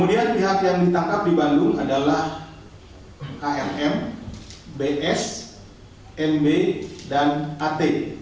dan di lampung ada pihak yang ditangkap di bandung adalah kfm bs mb dan at